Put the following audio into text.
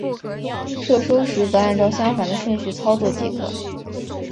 撤收时则按照相反的顺序操作即可。